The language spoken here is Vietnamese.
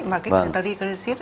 mà cái triglycerides